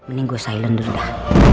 mending gue silent dulu dah